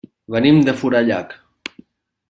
Venim de Forallac.